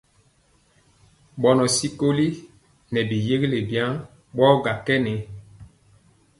Bɔnɔ tyikoli nɛ bi yégelé biaŋg bagɔ kɛ nɛ.